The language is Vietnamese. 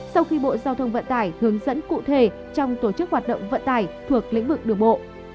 sau khi bộ giao thông vận tải hướng dẫn cụ thể trong tổ chức hoạt động vận tải thuộc lĩnh vực đường bộ